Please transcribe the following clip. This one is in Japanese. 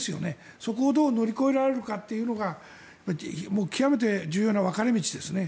そこをどう乗り越えられるかっていうのが極めて重要な分かれ道ですね。